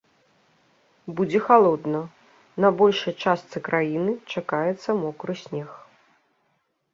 Будзе халодна, на большай частцы краіны чакаецца мокры снег.